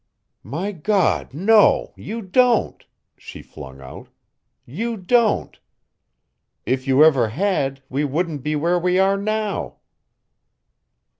"My God, no, you don't," she flung out. "You don't. If you ever had, we wouldn't be where we are now."